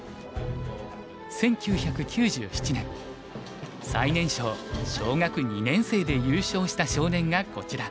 １９９７年最年少小学２年生で優勝した少年がこちら。